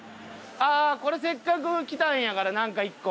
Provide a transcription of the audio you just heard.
ああこれせっかく来たんやからなんか１個。